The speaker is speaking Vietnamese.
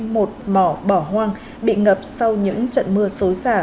một mỏ bỏ hoang bị ngập sau những trận mưa xối xả ở miền trung zimbabwe